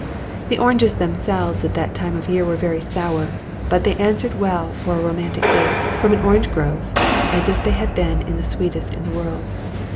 The oranges themselves at that time of the year were very sour, but they answered as well for a romantic date, "From an orange grove," as if they had been the sweetest in the world.